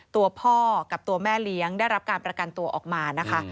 ตัวพ่อกับตัวแม่เลี้ยงได้รับการประกันตัวออกมานะคะ